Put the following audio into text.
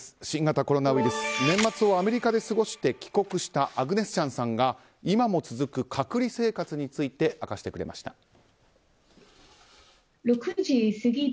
新型コロナウイルス年末をアメリカで過ごして帰国したアグネス・チャンさんが今も続く隔離生活について明かしてくれました。